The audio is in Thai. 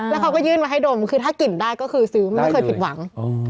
แล้วเขาก็ยื่นมาให้ดมคือถ้ากลิ่นได้ก็คือซื้อมันไม่เคยผิดหวัง